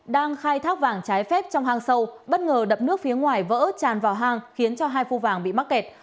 đang khai thác vàng trái phép trong hang sâu bất ngờ đập nước phía ngoài vỡ tràn vào hang khiến cho hai phu vàng bị mắc kẹt